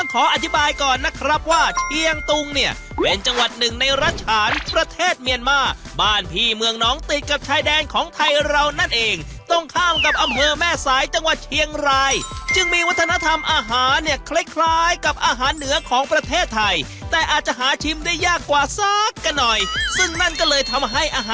ขออธิบายก่อนนะครับว่าเชียงตุงเนี่ยเป็นจังหวัดหนึ่งในรัฐฉานประเทศเมียนมาบ้านพี่เมืองน้องติดกับชายแดนของไทยเรานั่นเองตรงข้ามกับอำเภอแม่สายจังหวัดเชียงรายจึงมีวัฒนธรรมอาหารเนี่ยคล้ายคล้ายกับอาหารเหนือของประเทศไทยแต่อาจจะหาชิมได้ยากกว่าสักกันหน่อยซึ่งนั่นก็เลยทำให้อาหาร